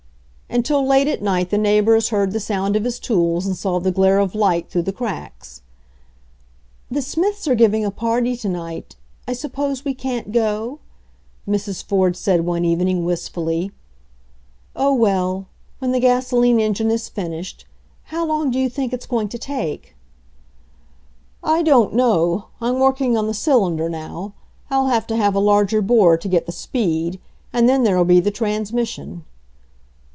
Until late at night the neighbors heard the sound of his tools and saw the glare of light through the cracks. "The Smiths are giving a party to night — I suppose we can't go?" Mrs. Ford said one even ing, wistfully. "Oh, well — when the gasoline en gine is finished — how long do you think it's going to take ?" "I don't know — I'm working on the cylinder now. I'll have to have a larger bore to get the speed — and then there'll be the transmission."